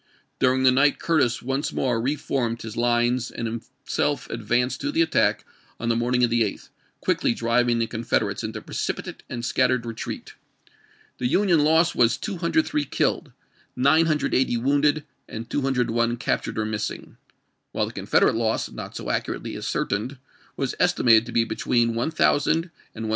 During the night Curtis once more re formed his lines and himself advanced to the attack on the morningof the 8th, quickly driving the Confederates into precipitate and scattered retreat. The Union loss was, 203 killed, 980 wounded, and 201 captured or missing; while the Confederate loss, not so accurately ascertained, was estimated to be between 1000 and 1300.